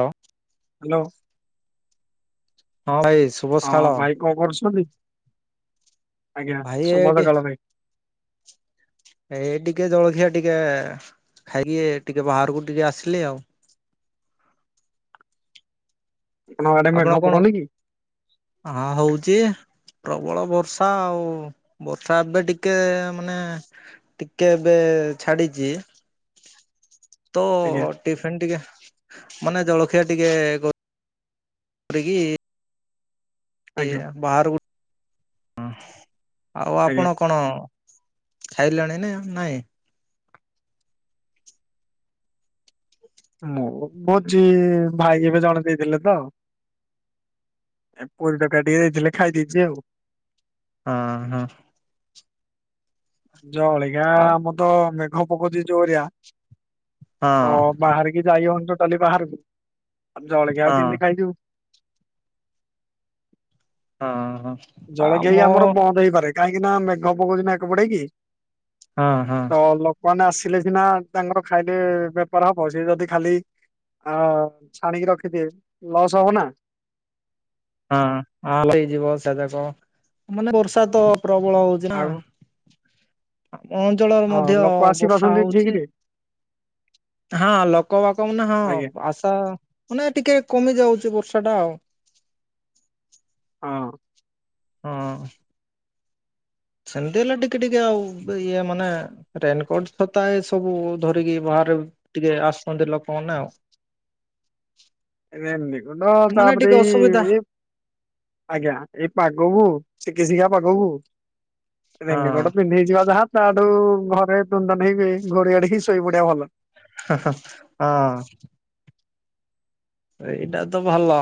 Hello. Hello. ହଁ ଏଇ ହଁ ଭାଇ କଣ କରୁଛନ୍ତି? ଆଜ୍ଞା, ଭାଇ ଶୁଭସକାଳ ଭାଇ। ଏ ଟିକେ ଜଳଖିଆ ଟିକେ ଖାଇକି, ଟିକେ ବାହାରକୁ ଟିକେ ଆସିଲେ ଆଉ। ଆପଣଙ୍କ ଆଡେ ଆପଣ ମେଘ କଣ ପକଉନି କି? ହଁ ହଉଛି? ପ୍ରବଳ ବର୍ଷା ଆଉ, ବର୍ଷା ଏବେ ଟିକେ ମାନେ ଟିକେ ଏବେ ଛାଡିଚି। ତ ଆଜ୍ଞା ଟିଫିନ ଟିକେ, ମାନେ ଜଳଖିଆ ଟିକେ [unintelligible] ଆଜ୍ଞା ବାହାରକୁ ହଁ, ଆଉ ଆଜ୍ଞା ଆପଣ କଣ ଖାଇଲଣି ନା ନାଇଁ? ହଁ ଭୋଜି, ଭାଇ ଏବେ ଜଣେ ଦେଇଥିଲେ ତ। ଏ ପୁରି ତରକାରି ଟିକେ ଦେଇଥିଲେ ଖାଇ ଦେଇଛି ଆଉ। ହଁ ହଁ। ଜଳିଖିଆ, ଆଉ ଆମର ତ ମେଘ ପକଉଛି ଜୋରିଆ। ଓ, ବାହାରିକି ଯାଇ ହଉନି ଟୋଟାଲି ବାହାରକୁ। ଆମ ହଁ ଜଳଖିଆ ଆଉ ହଁ କେମିତି ଖାଇଯିବୁ? ହଁ ହଁ। ଜଳଖିଆ ଆମ ବି ଆମର ବନ୍ଦ ହେଇପାରେ, କାହିଁକି ନା? ମେଘ ପକଉଛି ନା କଲ। ହଁ ହଁ କଲ ଆସିଲେ ସିନା ତାଙ୍କର ଖାଇଲେ ବେପାର ହବ, ସିଏ ଯଦି ଖାଲି ଆ ଛାଣିକି ରଖିଥିବେ, ଲସ୍ ହବ ନା। ହଁ ହଁ ହେଇଯିବ ସାଧା [unintelligible] ମାନେ ବର୍ଷା ତ ପ୍ରବଳ ହଉ [unintelligible] ଆମ ଆଉ ଅଞ୍ଚଳରେ ହଁ ମଧ୍ୟ ଲୋକ ଆସି ବର୍ଷା ପାରୁଛନ୍ତି ହଉଛି। ଠିକରେ ହଁ ଲୋକ ବାକ ମାନେ ହଁ ଆଜ୍ଞା ଆଶା ମାନେ ଟିକେ କମି ଯାଉଛି ବର୍ଷାଟା ଆଉ। ହଁ। ହଁ। ସେମତି ହେଲା ଟିକେ ଟିକେ ଆଉ ଇଏ ମାନେ ରେନକୋଟ ଛତା ଏ ସବୁ ଧରିକି ବାହାରେ ଟିକେ ଆସନ୍ତି ଲୋକମାନେ ଆଉ। ଏ ନାଇଁ ଦେଖନ୍ତୁ ମାନେ ତାପରେ ଟିକେ ଅସୁବିଧା ଏଇ ଏ ଆଜ୍ଞା ଏଇ ପାଗକୁ ଶିକାଶିଖା ପାଗକୁ ହଁ ରେନିକୋଟ ପିନ୍ଧିକି ଯିବା ଯାହା ତାଠୁ ଘରେ ତୁନ ତାନି ହେଇକି ଘୋଡେଇ ଘାଡେଇ କି ଶୋଇ ପଡିଆ ଭଲ। ହାଁ ହାଁ ହଁ। ଏଇଟା ତ ଭଲ।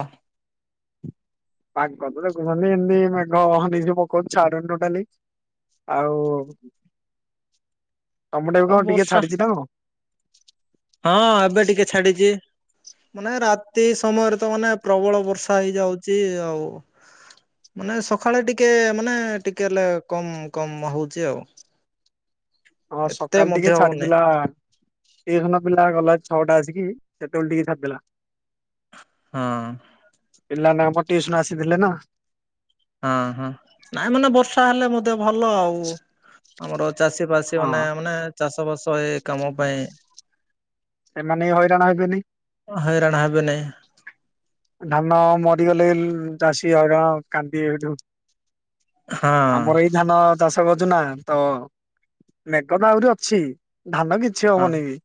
ପାଗ ତ ଦେଖୁନାହାଁନ୍ତି ଏମତି ମେଘ ହଁ ବିଜୁଳି ପକଉଛି ଛାଡୁନି ଟୋଟାଲି ଆଉ ତମ ଟାକୁ ଆଉ କଣ ଟିକେ ବର୍ଷା ଛାଡିଛି ନା କଣ? ହଁ ଏବେ ଟିକେ ଛାଡିଛି। ମାନେ ରାତି ସମୟରେ ତ ମାନେ ପ୍ରବଳ ବର୍ଷା ହେଇଯାଉଛି ଆଉ। ମାନେ ସଖାଳେ ଟିକେ ମାନେ ଟିକେ ହେଲେ କମ କମ ହଉଛି ଆଉ। ହଁ ଏତେ ସକାଳେ ଟିକେ ମଧ୍ୟ ହଉନି ଛାଡିଥିଲା ଏଇ ଖିନା ପିଲା ଗଲା ଛଅଟା ଆସିକି ସେତେବେଳେ ଟିକେ ଛାଡିଥିଲା। ହଁ। ପିଲାମାନେ ଆମର ଟିଉସନ ରୁ ଆସିଥିଲେ ନା। ହଁ ହଁ ନାଇଁ ମାନେ ବର୍ଷା ହେଲେ ମଧ୍ୟ ଭଲ ଆଉ। ଆମର ଚାଷୀ ଫାଷୀ ହଁ ମାନେ ମାନେ ଚାଷ ବାସ ଏଇ କାମ ପାଇଁ ସେମାନେ ହଇରାଣ ହେବେନି। [unintelligible] ହଇରାଣ ହେବେ ନାହିଁ। ଧାନ ମରିଗଲେ ଚାଷୀ ହଇରାଣ କାନ୍ଦିବେ ହେଠୁ। ହଁ ଆମର ଏ ଧାନ ଚାଷ କରୁଛୁ ନା ତ ମେଘ ତ ଆହୁରି ଅଛି ଧାନ ବି ଛି ହଁ ହବନି ବି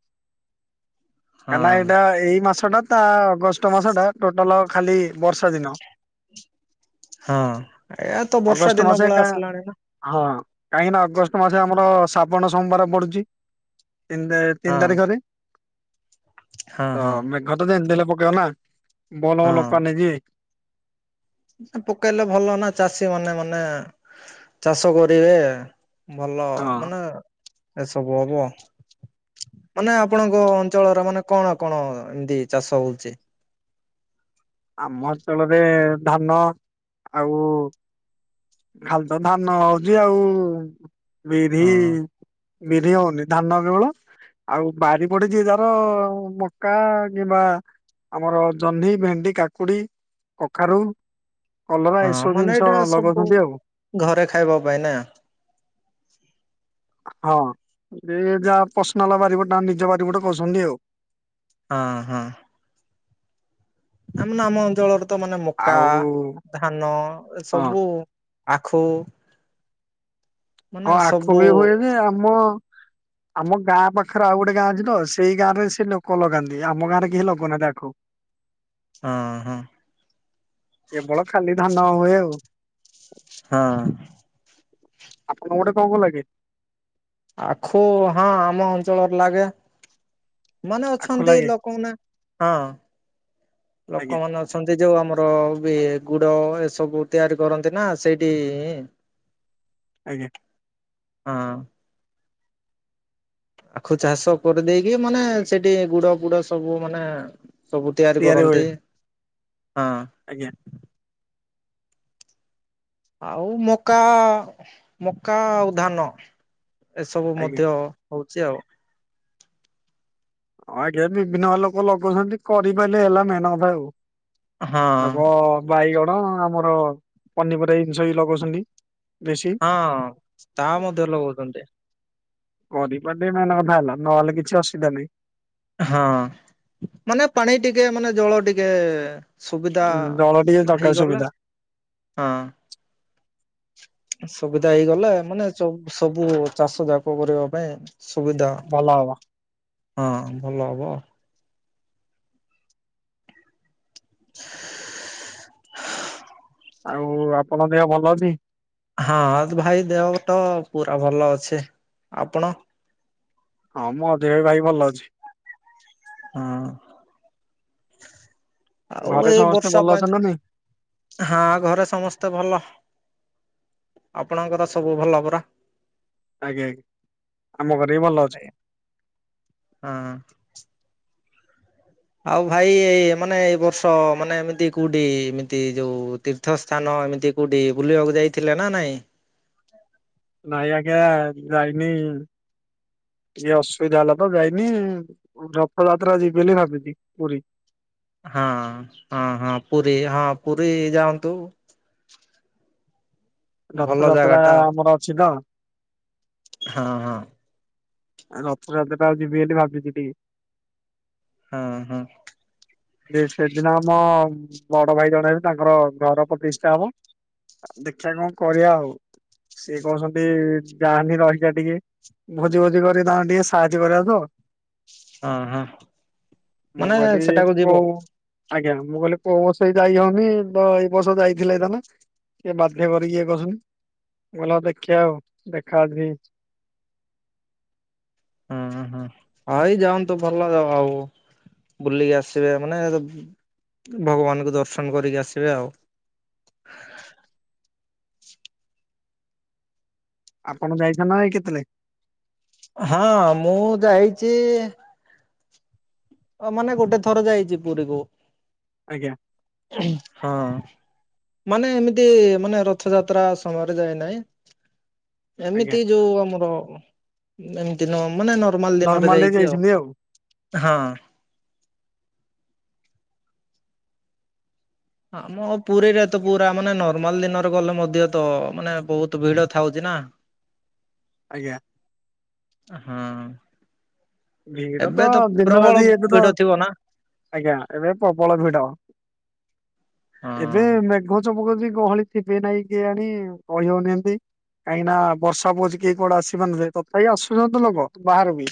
ହଁ କାଇଁ ନା ଏଇଟା ଏଇ ମାସଟା ତା ଅଗଷ୍ଟ ମାସଟା ଟୋଟାଲ ଖାଲି ବର୍ଷା ଦିନ। ହଁ ଏଆ ତ ବର୍ଷା ଅଗଷ୍ଟ ଦିନ ମାସେ ପଳେଇ କା ଆସିଲାଣି ନା। ହଁ କାହିଁକି ନା ଅଗଷ୍ଟ ମାସେ ଆମର ଶ୍ରାବଣ ସୋମବାର ପଡୁଛି। ତିନି ତା ତିନି ହଁ ତାରିଖରେ। ହଁ ତ ହଁ ମେଘ ତ ଯେମତି ହେଲେ ପକେଇବ ନା ଭଲ ଭଲ ହଁ ପାନି କି। ପକେଇଲେ ଭଲ ନା ଚାଷୀମାନେ ମାନେ ଚାଷ କରିବେ। ଭଲ ହଁ ମାନେ ଏ ସବୁ ହବ। ମାନେ ଆପଣଙ୍କ ଅଞ୍ଚଳର ମାନେ କଣ କଣ ଏମତି ଚାଷ ହଉଛି? ଆମ ଅଞ୍ଚଳରେ ଧାନ ଆଉ ଖାଲି ତ ଧାନ ହଉଛି ଆଉ ବିରି ହଁ ବିରି ହଉନି ଧାନ କେବଳ ଆଉ ବାରି ପଟେ ଯିଏ ଯାହାର ମକା କିମ୍ବା ଆମର ଜହ୍ନି, ଭେଣ୍ଡି, କାକୁଡି, କଖାରୁ କଲରା ହଁ ଏ ସବୁ ମାନେ ଜିନିଷ ଏଇଟା ଲଗ ସବୁ ଘରେ ଖାଇବା ପାଇଁ ନା! ହଁ ଯିଏ ଯାହା ପସନାଲ ବାରିପଟ ନିଜ ବାରିପଟ କରୁଛନ୍ତି ଆଉ। ଅ ହଁ। ଆମ୍ ନା ଆମ ଅଞ୍ଚଳରେ ତ ମାନେ ମକା, ଆଉ ଧାନ ଏ ହଁ ସବୁ ଆଖୁ ମାନେ ହଁ ଆଖୁ ସବୁ ବି ହୁଏ ଯେ ଆମ ଆମ ଗାଁ ପାଖରେ ଆଉ ଗୋଟେ ଗାଁ ଅଛି ତ ସେଇ ଗାଁରେ ସେ ଲୋକ ଲଗାନ୍ତି ଆମ ଗାଁରେ କେହି ଲଗଉନାହାନ୍ତି ଆଖୁ। [unintelligible] ହଁ ହଁ। କେବଳ ଖାଲି ଧାନ ହୁଏ ଆଉ। ହଁ। ଆପଣଙ୍କ ପଟେ କଣ କଣ ଲାଗେ? ଆଖୁ ହଁ ଆମ ଅଞ୍ଚଳର ଲାଗେ। ମାନେ ଆଖୁ ଅଛନ୍ତି ଲାଗେ ଲୋକମାନେ ହଁ ଆଜ୍ଞା ଲୋକମାନେ ଅ- ଛନ୍ତି ଯୋଉ ଆମର ବି ଗୁଡ଼ ଏସବୁ ତିଆରି କରନ୍ତି ନା ସେଇଠି। ଆଜ୍ଞା। ହଁ। ଆଖୁ ଚାଷ କରିଦେଇକି ମାନେ ସେଠି ଗୁଡ଼-ଗୁଡ଼ ସବୁ ମାନେ ସବୁ ତିଆରି କରନ୍ତି ହଁ। ଆଜ୍ଞା। ଆଉ ମକା-ମକା, ଆଉ ଧାନ ଏସବୁ ଆଜ୍ଞା ମଧ୍ୟ ହଉଛି ଆଉ। ହଁ ଆଜ୍ଞା ବିଭିନ୍ନ ଲୋକ ଲଗାଉଛନ୍ତି କରିପାରିଲେ ହେଲା ମେହନ କଥା ଆଉ। ହଁ ଲୋକ ବାଇଗଣ ଆମର ପନିପରିବା ଜିନିଷ ବି ଲଗଉଛନ୍ତି। ବେଶୀ। ହଁ ତା ମଧ୍ୟ ଲଗଉଛନ୍ତି। କରିବା ଟି ମେନ୍ କଥା ହେଲା ନହେଲେ କିଛି ଅସୁବିଧା ନାହିଁ। ହଁ, ମାନେ ପାଣି ଟିକେ ମାନେ ଜଳ ଟିକେ ସୁବିଧା ଜଳ ଟିକେ ଦରକାର ହେଇଗଲା ସୁବିଧା ହଁ। ସୁବିଧା ହେଇଗଲା ମାନେ ସବୁ ଚାଷ ଯାକ କରିବା ପାଇଁ। ସୁବିଧା ଭଲ ହବ ହଁ ଭଲ ହବ। [inaudible] ଆଉ ଆପଣଙ୍କ ଦେହ ଭଲ ଅଛି? ହଁ ଭାଇ ଦେହ ତ ପୁରା ଭଲ ଅଛି। ଆପଣ? ହଁ ମୋ ଦେହ ବି ଭାଇ ଭଲ ଅଛି। ହଁ। ଆଉ ଘରେ ଏଇ ସମସ୍ତେ ବର୍ଷା ଭଲ ପାଇଁ ଅଛନ୍ତି ନା ତ ନାଇଁ? ହଁ ଘରେ ସମସ୍ତେ ଭଲ? ଆପଣଙ୍କର ସବୁ ଭଲ ପୁରା? ଆଜ୍ଞା ଆଜ୍ଞା। ଆମ ଘରେ ବି ଭଲ ଅଛ ହଁ। ଆଉ ଭାଇ ଏଇ ମାନେ ଏଇ ବର୍ଷ ମାନେ ଏମିତି କୋଉଠି ଏମିତି ଯୋଉ ତୀର୍ଥ ର୍ଥ ସ୍ଥାନ ଏମିତି କଉଠି ବୁଲିବାକୁ ଯାଇଥିଲେ ନା ନାଇଁ? ନାଇଁ ଆଜ୍ଞା ଯାଇନି। ଏଇଆ ଅସୁବିଧା ହେଲା ତ ଯାଇନି, ରଥଯାତ୍ରା ଯିବି ବୋଲି ଭାବିଛିି ପୁରୀ। ହଁ -ହଁ -ହଁ ପୁରୀ ହଁ ପୁରୀ ଯାଆନ୍ତୁ। ଭଲ ଜାଗା ରଥଯାତ୍ରା ଟା ଆମର ଅଛି ତ। ହଁ ହଁ। ଆଉ ରଥଯାତ୍ର ଟା ଆଉ ଯିବି ବୋଲି। [unintelligible] ହଁ -ହଁ। ଯେ ସେଦିନ ଆମ ବଡ଼ ଭାଇ ଜଣେ ହେବେ ତାଙ୍କର ଘର ପ୍ରତିଷ୍ଠା ହବ। ଦେଖିବା କଣ କରିବା ଆଉ। ସିଏ କହୁଛନ୍ତି ଯାଆନି ରହିଯା ଟିକେ। ଭୋଜି - ଫୋଜି କରିବେ ତାଙ୍କର ଟିକେ ସାହାଯ୍ୟ କରିବାକୁ ତ। ହଁ- ହଁ ମୁଁ ମାନେ କହିଲି ସେଟାକୁ କୋଉ ଯିବ। ଆଜ୍ଞା, ମୁଁ କହିଲି କୋଉ ବର୍ଷ ଯାଇ ହଉନି ତ ଏଇ ବର୍ଷ ଯାଇଥିଲେ ହେଇ ଥାଆନ୍ତା। ସେ ବାଧ୍ୟ କରିକିଇଏ କରୁଛନ୍ତି। ମୁଁ ହଁ କହିଲି ଦେଖିବା ଆଉ ଦେଖା। [unintelligible] ହଁ ହଁ। [unintelligible] ବୁଲିକି ଆସିବେ ମାନେ ଭଗବାନଙ୍କୁ ଦର୍ଶନ କରିକି ଆସିବେ ଆଉ। ଆପଣ ଯାଇଛନ୍ତି ନା ନାଇଁ? [unintelligible] ହଁ ମୁଁ ଯାଇଛି ଅ ମାନେ ଗୋଟେ ଥର ଯାଇଛି ପୁରୀକୁ। ଆଜ୍ଞା ହଁ ମାନେ ଏମିତି ମାନେ ରଥଯାତ୍ରା ସମୟରେ ଯାଇ ନାହିଁ। ଆଜ୍ଞା ଏମିତି ଯୋଉ ଆମର ଏମିତି ନ ମାନେ ନର୍ମ ନର୍ମାଲ ଦିନରେ ନର୍ମାଲରେ ଯାଇଛି ଆଉ। ଯାଇଛନ୍ତି ହଁ ଆମ ପୁରୀରେ ତ ପୁରା ମାନେ ନର୍ମାଲ ଦିନରେ ଗଲେ ମଧ୍ୟ ତ ମାନେ ବହୁତ ଭିଡ଼ ଥାଉଛି ନା। ଆଜ୍ଞା ହଁ ଭିଡ଼ ଏବେ ତ ଦିନ ପ୍ରବଳ ରାତି ଏବେ ତ ଭିଡ ଥିବ ନା ଆଜ୍ଞା ଏବେ ପ୍ରବଳ ଭିଡ଼ ହଁ। ଏବେ ମେଘ ଚମକ ବି ଗହଳି ଥିବେ ନାଇଁ କିଏ ଆଣି କହିହଉନି ଏମିତି। କାହିଁକି ନା ବର୍ଷା ପକଉଛି କେହି କୁଆଡ଼େ ଆସି ପାରୁନି ତଥାପି ଆସୁଛନ୍ତି ତ ଲୋକ ବାହାରୁ ବି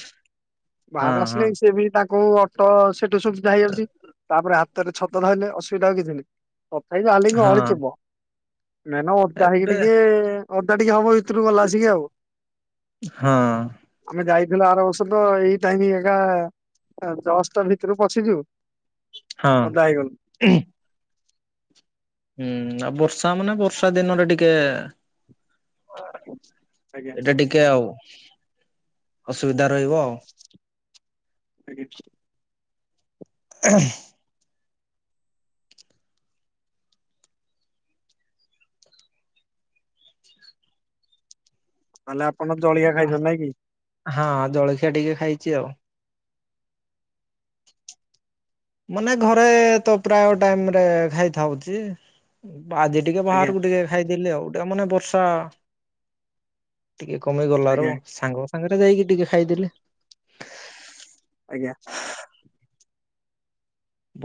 ହଁ ବାହାରେ ହଁ ଆସିଲେ ସିଏ ବି ତାଙ୍କୁ ଅଟୋ ସେଠୁ ସୁଵିଧା ହେଇଯାଉଚି ତାପରେ ରେ ଛତ ଧଇଲେ ଅସୁବିଧା ଆଉ କିଛି ନାହିଁ ତଥାପି ଯାହା ହା ବିଜେ ହଁ ଗହଳି ଥିବ ମେନ ଓଦା ହେଇକି ଏବେ ଟିକେ ଓଦା ଟିକେ ହବ ଭିତରୁ ଗଲା ଆସିକି ଆଉ। ହଁ ଆମେ ଯାଇଥିଲୁ ଆର ବର୍ଷକୁ ତ ଏଇ ଟାଇମ ଏକା ଜଷ୍ଟ ଭିତରକୁ ପଶିଛୁ। ହଁ ଓଦା ହେଇଗଲୁ। ଉଁ ହୁଁ ଆଉ ବର୍ଷା ମାନେ ବର୍ଷା ଦିନରେ ଟିକେ ଆଜ୍ଞା ଏଇଟା ଟିକେ ଆଉ ଅସୁବିଧା ରହିବ ଆଉ। ଆଜ୍ଞା। ଉଁହୁଁ ତାହେଲେ ଆପଣ ଜଳଖିଆ ଖାଇଛନ୍ତି ନାଇଁ କି। ହଁ ଜଳଖିଆ ଟିକେ ଖାଇଛି ଆଉ। ମାନେ ଘରେ ତ ପ୍ରାୟ ଟାଇମ ରେ ଖାଇଥାଉଚି ଆଜି ଟିକେ ଆଜ୍ଞା ବାହାରକୁ ଟିକେ ଖାଇଦେଲି ଆଉ ଟିକେ ମାନେ ବର୍ଷା ଟିକେ କମିଗଳାରୁ ଆଜ୍ଞା ସାଙ୍ଗ ସାଙ୍ଗରେ ଯାଇକି ଟିକେ ଖାଇଦେଲି। ଆଜ୍ଞା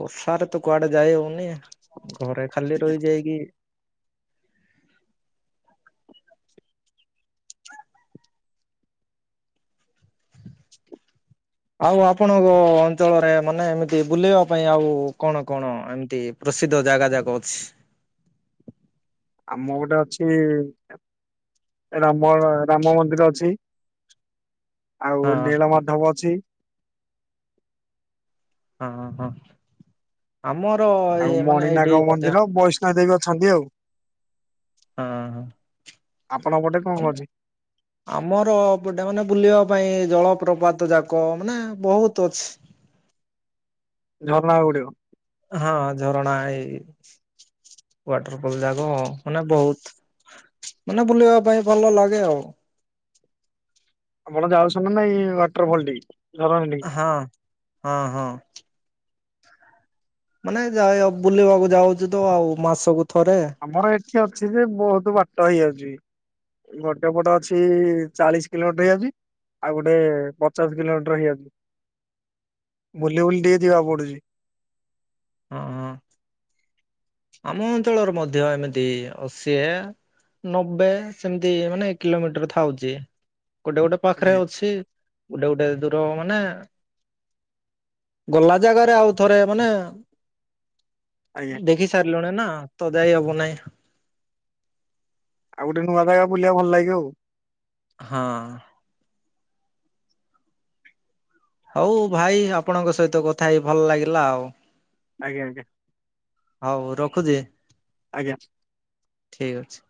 ବର୍ଷାାରେ ତ କୁଆଡ଼େ ଯାଇ ହଉନି ଘରେ ଖାଲି ରହିଯାଇକି। ଆଉ ଆପଣଙ୍କ ଅଞ୍ଚଳରେ ମାନେ ଏମିତି ବୁଲିବା ପାଇଁ ଆଉ କଣ କଣ ଏମିତି ପ୍ରସିଦ୍ଧ ଜାଗା ଯାକ ଅଛି। ଆମ ଗୋଟେ ଅଛି ରାମ ରାମ ମନ୍ଦିର ଅଛି। ଆଉ ହଁ ନୀଳମାଧବ ଅଛି। ହଁ ହଁ ଆମର ଏଇ ମାନେ ଏଇଠି ମଧ୍ୟ ନା ଦେବି ଅଛନ୍ତି ଆଉ। ହଁ ଆପଣଙ୍କ ପଟେ କଣ ହ କଣ ଅଛି ଆମର ଏପଟେ ମାନେ ବୁଲିବା ପାଇଁ ଜଳପ୍ରପାତ ଯାକ ମାନେ ବହୁତ ଅଛି। ଝରଣା ଗୁଡ଼ିକ। ହଁ ଝରଣା ଏଇ ୱାଟରଫଲ ଯାକ ମାନେ ବହୁତ ମାନେ ବୁଲିବା ପାଇଁ ଭଲ ଲାଗେ ଆଉ। ଆପଣ ଯାଉଛନ୍ତି ନା ନାଇଁ ୱାଟର ଫଲଟିକି ଝରଣା ଠିକି ହଁ ହଁ ହଁ ମାନେ ଯାଇ ବୁଲିବାକୁ ଯାଉଛି ତ ଆଉ ମାସକୁ ଥରେ। ଆମର ଏଠି ଅଛି ଯେ ବହୁତ ବାଟ ହେଇଯାଉଛି। ଗୋଟେ ପଟେ ଅଛି ଚାଳିଶ କିଲୋମିଟର ହେଇଯାଉଛି। ଆଉ ଗୋଟେ ପଚାଶ କିଲୋମିଟର ହେଇଯାଉଛି। ବୁଲି ବୁଲି ଟିକେ ଯିବାକୁ ପଡୁଛି। ହଁ ହଁ ଆମ ଅଞ୍ଚଳର ମଧ୍ୟ ଏମିତି ଅଶିଏ ନବେ ସେମିତି ମାନେ କିଲୋମିଟର ଥାଉଛି ଗୋଟେ ଗୋଟେ ପାଖରେ ଆଜ୍ଞା ଅଛି। ଗୋଟେ ଗୋଟେ ଦୂର ମାନେ ଗଲା ଜାଗାରେ ଆଉ ଥରେ ମାନେ ଆଜ୍ଞା। ଦେଖି ସାରିଲୁଣି ନା ତ ଯାଇ ହବ ନାହିଁ। ଆଉ ଗୋଟେ ନୂଆ ଜାଗା ବୁଲିବାକୁ ଭଲ ଲାଗିବ ଆଉ। ହଁ। ହଉ ଭାଇ ଆପଣଙ୍କ ସହିତ କଥା ହେଇ ଭଲ ଲାଗିଲା ଆଉ। ଆଜ୍ଞା ଆଜ୍ଞା। ହଉ ରଖୁଛି। ଆଜ୍ଞା। ଠିକ୍ ଅଛି।